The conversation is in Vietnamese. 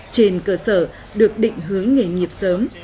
trên cơ sở được định hướng nghề nghiệp sớm